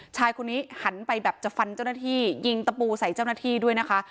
ชายคนนี้หันไปแบบจะฟันเจ้าหน้าที่ยิงตะปูใส่เจ้าหน้าที่ด้วยนะคะ